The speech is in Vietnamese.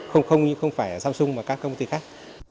không phải ở samsung mà các công ty khác